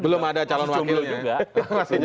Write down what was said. belum ada calon wakilnya